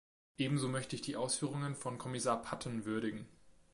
Ebenso möchte ich die Ausführungen von Kommissar Patten würdigen.